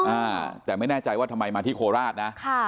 อ่าแต่ไม่แน่ใจว่าทำไมมาที่โคราชนะค่ะ